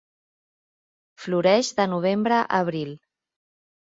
Floreix de novembre a abril.